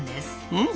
うん？